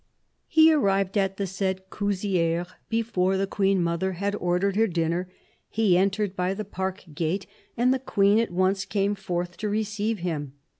" He arrived at the said Couzieres before the Queen mother had ordered her dinner; he entered by the park gate, and the Queen at once came forth to receive him.